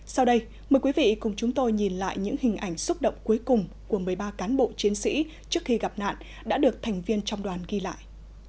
sau đây mời quý vị cùng chúng tôi nhìn lại những hình ảnh xúc động cuối cùng của một mươi ba cán bộ chiến sĩ trước khi gặp nạn đã được thành viên trong đoàn ghi lại